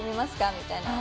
みたいな。